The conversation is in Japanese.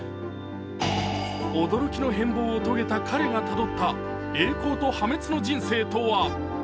驚きの変貌を遂げた彼がたどった栄光と破滅の人生とは。